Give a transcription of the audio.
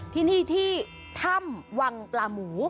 ที่นี่ที่ถ้ำวังปลาหมู